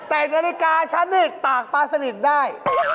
แต่นาฬิกาฉันนี่ตากปลาสนิทได้